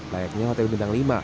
layaknya hotel bintang lima